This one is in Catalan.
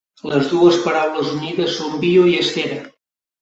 Les dues paraules unides són "bio" i "esfera".